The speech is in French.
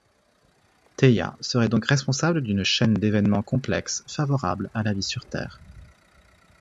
Théia serait donc responsable d'une chaîne d'évènements complexes favorables à la vie sur Terre.